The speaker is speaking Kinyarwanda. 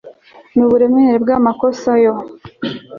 n'uburemere bw' amakosa yo